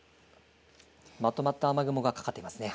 まとまった雨雲がかかっていますね。